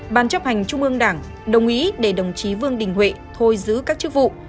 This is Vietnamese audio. ban chấp hành trung ương đảng đồng ý để đồng chí vương đình huệ thôi giữ các chức vụ